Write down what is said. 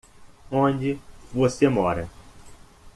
Onde você mora?